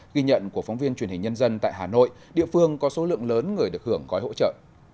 ghi nhận của phóng viên truyền hình nhân dân tại hà nội địa phương có số lượng lớn người được hưởng gói hỗ trợ